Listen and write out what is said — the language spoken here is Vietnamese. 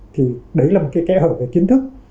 thì đấy là một cái kẽ hở về kiến thức